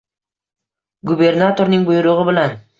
Gubernatorning buyrug'i bilan